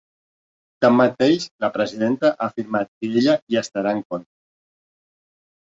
Tanmateix, la presidenta ha afirmat que ella hi ‘estaria en contra’.